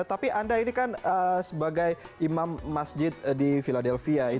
tapi anda ini kan sebagai imam masjid di philadelphia